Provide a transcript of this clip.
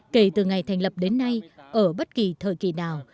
kể từ ngày thành lập đến nay ở bất kỳ thời kỳ nào